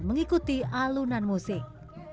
mengikuti alunan musik